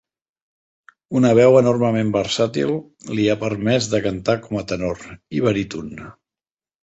Una veu enormement versàtil li ha permès de cantar com a tenor i baríton.